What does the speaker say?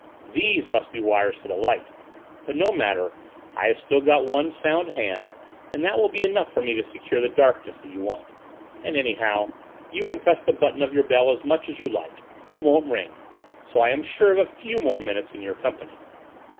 These must be wires for the light! But no matter: I have still got one sound hand, and that will be enough for me to secure the darkness that you want. And anyhow, you can press the button of your bell as much as you like: it won't ring. So I am sure of a few more minutes in your company."